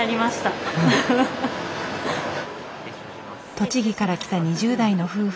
栃木から来た２０代の夫婦。